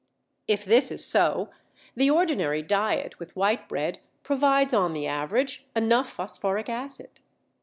If this is so, the ordinary diet with white bread provides on the average enough phosphoric acid.